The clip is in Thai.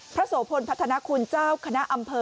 โสพลพัฒนาคุณเจ้าคณะอำเภอ